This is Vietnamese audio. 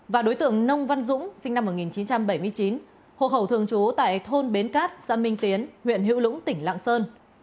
và đối tượng nông văn dũng sinh năm một nghìn chín trăm bảy mươi chín hộ khẩu thường trú tại thôn bến cát xã minh tiến huyện hữu lũng tỉnh lạng sơn